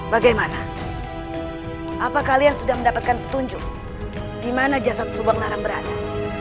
bagaimana apa kalian sudah mendapatkan petunjuk di mana jasad subang larang berada